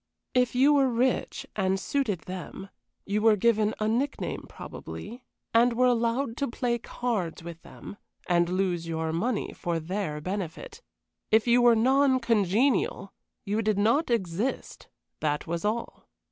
If you were rich and suited them, you were given a nickname probably, and were allowed to play cards with them, and lose your money for their benefit. If you were non congenial you did not exist that was all.